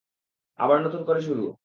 আবার নতুন করে শুরু।